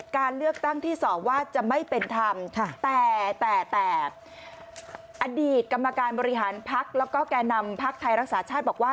การเลือกตั้งที่สอบว่าจะไม่เป็นธรรมแต่แต่อดีตกรรมการบริหารพักแล้วก็แก่นำพักไทยรักษาชาติบอกว่า